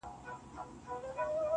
ککرۍ يې دي رېبلي دې بدرنگو ککریو~